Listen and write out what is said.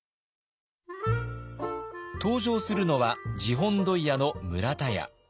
登場するのは地本問屋の村田屋。